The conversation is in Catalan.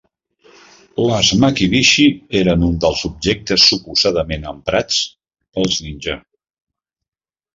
Les "Makibishi" eren un dels objectes suposadament emprats pels ninja.